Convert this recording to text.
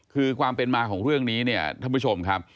คือความเป็นมาของเรื่องนี้เนี่ยท่านผู้ชมครับ